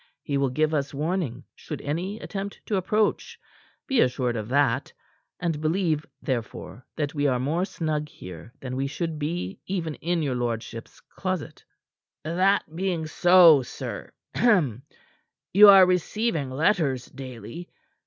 He will give us warning should any attempt to approach. Be assured of that, and believe, therefore, that we are more snug here than we should be even in your lordship's closet." "That being so, sir hem! You are receiving letters daily.